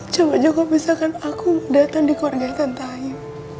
coba coba misalkan aku mau datang di keluarga tante ayu